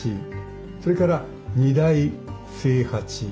それから二代清八。